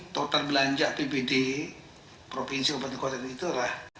total belanja apbd provinsi obat dan kota itu adalah